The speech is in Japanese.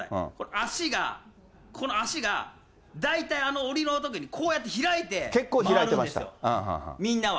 足が、この足が大体降りのときに、こうやって開いて回るんですよ、みんなは。